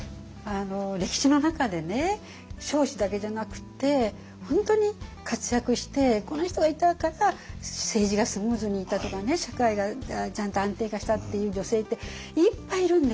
歴史の中でね彰子だけじゃなくって本当に活躍してこの人がいたから政治がスムーズにいったとかね社会がちゃんと安定化したっていう女性っていっぱいいるんですよ。